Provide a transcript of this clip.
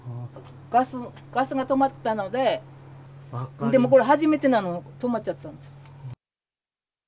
ガスが止まったので、でもこれ初めてなの、止まっちゃったの。